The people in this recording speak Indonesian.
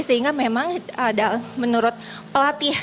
sehingga memang menurut pelatih